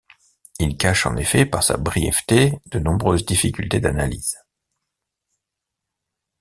Il cache en effet par sa brièveté de nombreuses difficultés d'analyse.